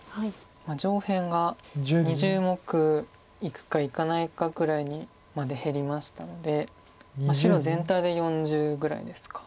上辺が２０目いくかいかないかぐらいまで減りましたので白全体で４０ぐらいですか。